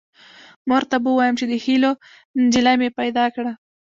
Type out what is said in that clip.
مور ته به ووایم چې د هیلو نجلۍ مې پیدا کړه